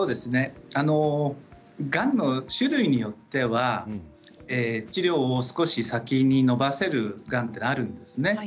がんの種類によっては治療を少し先に延ばせるがんというのがあるんですね。